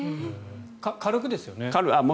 軽くですよね？